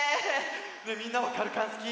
ねえみんなもかるかんすき？